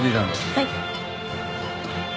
はい。